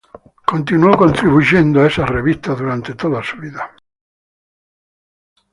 Continuó contribuyendo a esas revistas durante toda su vida.